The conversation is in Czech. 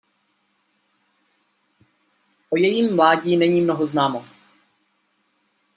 O jejím mládí není mnoho známo.